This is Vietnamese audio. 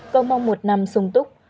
cầu mong một năm sung túc